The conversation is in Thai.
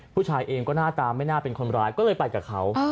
ผู้ชายเองก็หน้าตาไม่น่าเป็นคนร้ายก็เลยไปกับเขา